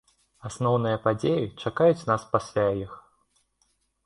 Асноўныя падзеі чакаюць нас пасля іх.